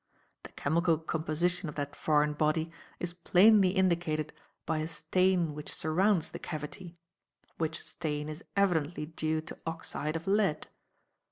The chemical composition of that foreign body is plainly indicated by a stain which surrounds the cavity; which stain is evidently due to oxide of lead.